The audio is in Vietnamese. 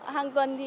hàng tuần thì